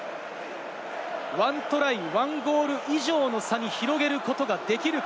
１トライ１ボール以上の差に広げることができるか？